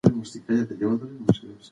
ده د بدلون لپاره مثال جوړ کړ.